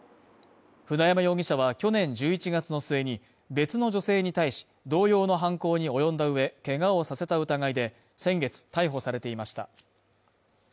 舟山容疑者は去年１１月の末に別の女性に対し、同様の犯行に及んだうえ、けがをさせた疑いで先月逮捕されていました。